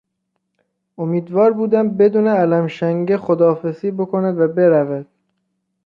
امیدوار بودم بدون الم شنگه خداحافظی بکند و برود.